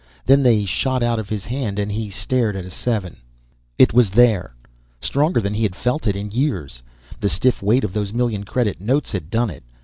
Then they shot out of his hand and he stared at a seven. It was there. Stronger than he had felt it in years. The stiff weight of those million credit notes had done it.